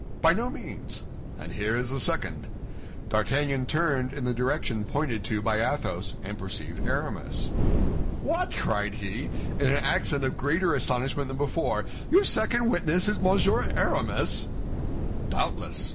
"By no means." "And here is the second." D'Artagnan turned in the direction pointed to by Athos, and perceived Aramis. "What!" cried he, in an accent of greater astonishment than before, "your second witness is Monsieur Aramis?" "Doubtless!